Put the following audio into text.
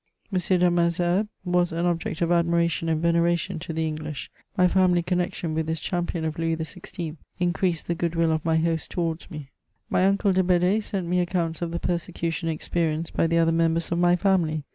M. de Malesherbes was an object of admiration and veneration to the English; my family connexion with this champion of Louis XVI. in creased the good will of my hosts towards me. My uncle de Bedee sent me accounts of the persecution ex perienced by the other members of my family.